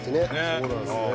そうなんですね。